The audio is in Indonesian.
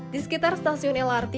di sekitar stasiun lrt